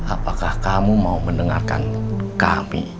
apakah kamu mau mendengarkan kami